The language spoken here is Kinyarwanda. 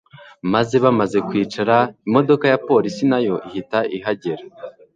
maze bamaze kwicara imodoka ya police nayo ihita ihagera